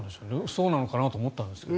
そうなのかなと思ったんですが。